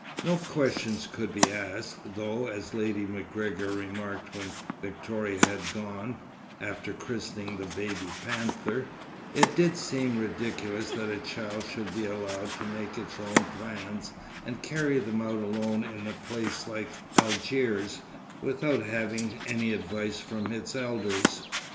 No questions could be asked, though, as Lady MacGregor remarked when Victoria had gone (after christening the baby panther), it did seem ridiculous that a child should be allowed to make its own plans and carry them out alone in a place like Algiers, without having any advice from its elders.